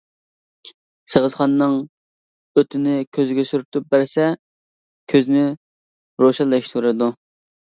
سېغىزخاننىڭ ئۆتىنى كۆزگە سۈرتۈپ بەرسە كۆزنى روشەنلەشتۈرىدۇ.